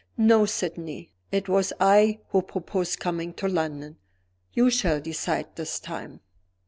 "No, Sydney. It was I who proposed coming to London. You shall decide this time."